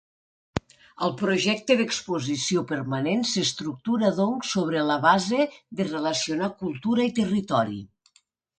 El projecte d'exposició permanent s'estructura doncs sobre la base de relacionar cultura i territori.